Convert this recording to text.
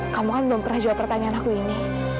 kamu kan belum pernah jawab pertanyaan aku ini